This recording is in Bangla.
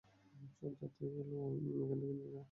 সব যাত্রীগুলো এখান থেকে নিয়ে যাও।